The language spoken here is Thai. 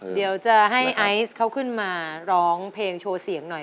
เดี๋ยวจะให้ไอซ์เขาขึ้นมาร้องเพลงโชว์เสียงหน่อย